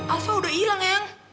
alva udah hilang yang